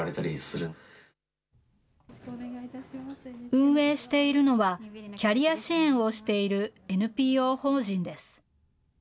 運営しているのは、キャリア支援をしているＮＰＯ法人です。